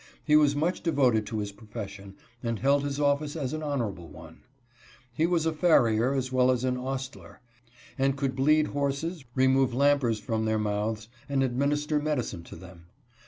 He was much devoted to his profession, and held his office as an honor able one. He was a farrier as well as an ostler, and HIS HUMILIATING TREATMENT FROM COL. LLOYD. CO could bleed horses, remove lampers from their mouths and administer medicine to them.